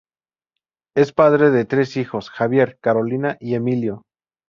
Es padre de tres hijos: Javier, Carolina y Emilio.